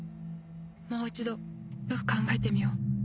もう一度よく考えてみよう